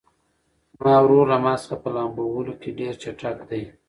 زما ورور له ما څخه په لامبو وهلو کې ډېر چټک دی.